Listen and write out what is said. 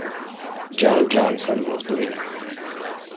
Jon Jonsson was the winner.